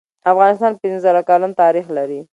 افغانستان پنځه زره کلن تاریخ لری